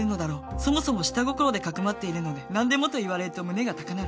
そもそも下心で匿っているので「何でも」と言われると胸が高鳴る